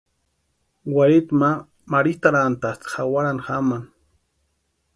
Warhiti ma marhitʼarantʼasti jawarani jamani.